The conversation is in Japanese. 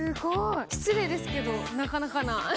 失礼ですけれども、なかなかな。